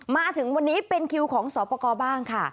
มาถึงวันนี้เป็นคิวของสอบประกอบบ้างค่ะ